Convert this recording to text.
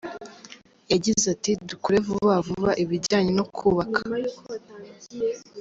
Yagize ati “Dukore vuba vuba ibijyanye no kubaka.